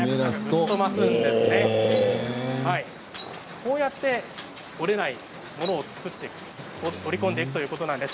こうやって折れないものを作っていく織り込んでいくということです。